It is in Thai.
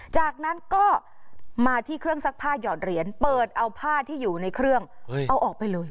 จากนั้นก็มาที่เครื่องซักผ้าหยอดเหรียญเปิดเอาผ้าที่อยู่ในเครื่องเอาออกไปเลย